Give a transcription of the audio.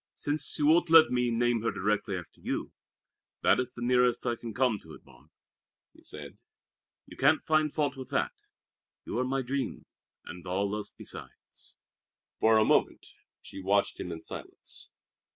"Since you won't let me name her directly after you, that is the nearest I can come to it, Barbe," he said. "You can't find fault with that. You are my dream and all else besides." For a moment she watched him in silence.